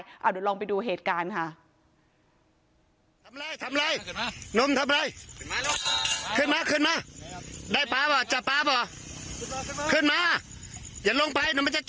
เดี๋ยวลองไปดูเหตุการณ์ค่ะ